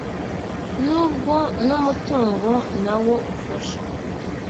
nubwo n'umutungo na wo ufasha